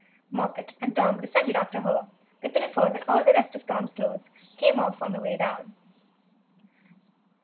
Moppet and Tom descended after her; the pinafores and all the rest of Tom's clothes came off on the way down.